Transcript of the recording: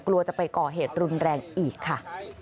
กลัวจะไปก่อเหตุรุนแรงอีกค่ะ